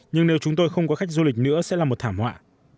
nhưng nếu chúng tôi không có khách du lịch nữa sẽ là một thảm họa